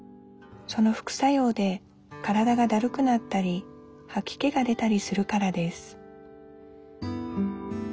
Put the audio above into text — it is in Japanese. その副作用で体がだるくなったりはき気が出たりするからです